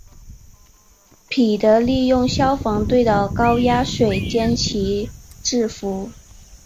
彼得利用消防队的高压水将其制伏。